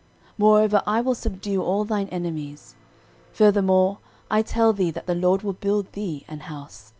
Moreover I will subdue all thine enemies. Furthermore I tell thee that the LORD will build thee an house.